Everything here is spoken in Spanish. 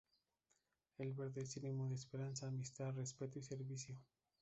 El verde es sinónimo de esperanza, amistad, respeto y servicio.